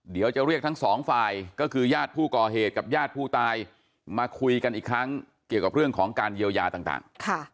เดี๋ยวจะเรียกทั้งสองฝ่ายก็คือญาติผู้ก่อเหตุกับญาติผู้ตายมาคุยกันอีกครั้งเกี่ยวกับเรื่องของการเยียวยาต่าง